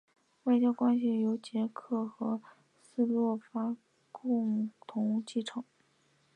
外交关系由捷克和斯洛伐克共同继承。